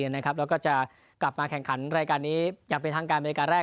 แล้วก็จะกลับมาแข่งขันรายการนี้อย่างเป็นทางการบริการแรก